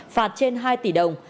phạt trên hai tỷ đồng